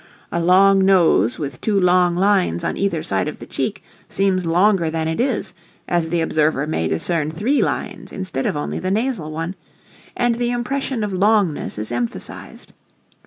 A long nose with two long lines on either side of the cheek seems longer than it is, as the observer may discern three lines instead of only the nasal one, and the impression of longness is emphasized.